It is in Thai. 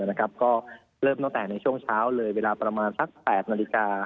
ก็เริ่มตั้งแต่ในช่วงเช้าเลยเวลาประมาณสัก๘นาฬิกา